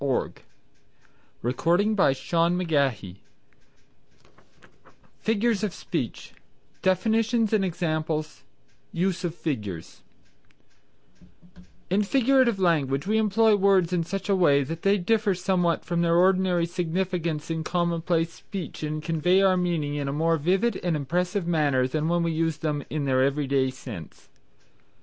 CHAPTER IV FIGURATIVE LANGUAGE Figures of Speech Definitions and Examples Use of Figures In Figurative Language we employ words in such a way that they differ somewhat from their ordinary signification in commonplace speech and convey our meaning in a more vivid and impressive manner than when we use them in their every day sense.